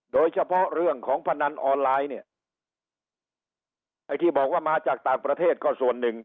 โดยเฉพาะเรื่องของพนันออนไลน์เนี่ยไอ้ที่บอกว่ามาจากต่างประเทศก็ส่วนหนึ่ง